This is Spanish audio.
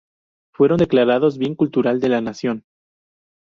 Fueron declarados Bien Cultural de la Nación.